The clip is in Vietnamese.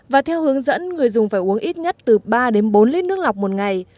và theo hướng dẫn người dùng phải uống ít nhất từ ba đến bốn lít nước lọc một ngày